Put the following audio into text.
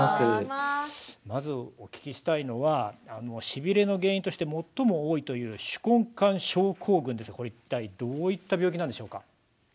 まずお聞きしたいのはしびれの原因として最も多いという手根管症候群ですがこれは一体どういった病気なんでしょうか？